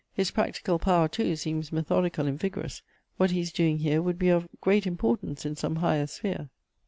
His practical power, too, seems methodical and vigorous. What he is doing here would be of great importance in some higher sphere."